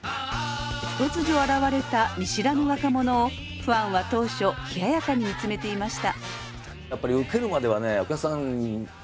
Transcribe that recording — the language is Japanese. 突如現れた見知らぬ若者をファンは当初冷ややかに見つめていました。